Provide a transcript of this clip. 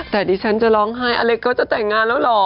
แต่ดิฉันจะร้องไห้อเล็กก็จะแต่งงานแล้วเหรอ